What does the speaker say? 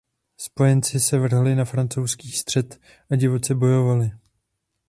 Spojenci se vrhli na francouzský střed a divoce bojovali.